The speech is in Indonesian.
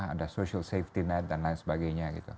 ada social safety net dan lain sebagainya gitu